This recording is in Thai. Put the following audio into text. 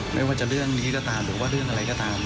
ไม่ว่าจะเรื่องนี้ก็ตามหรือว่าเรื่องอะไรก็ตาม